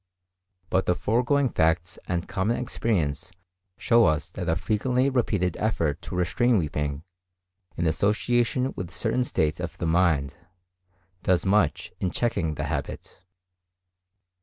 But the foregoing facts and common experience show us that a frequently repeated effort to restrain weeping, in association with certain states of the mind, does much in checking the habit.